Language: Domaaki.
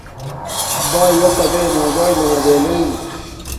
بایتا بے موباݵلنا بلنس